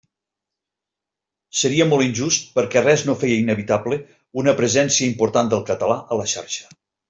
Seria molt injust perquè res no feia inevitable una presència important del català a la xarxa.